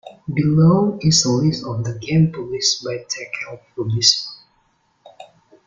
Below is a list of the games published by Techland Publishing.